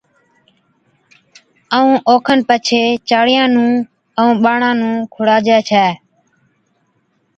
ائُون اوکن پڇي چاڙِيان نُون ائُون ٻاڙان نُون کُڙاجَي ڇَي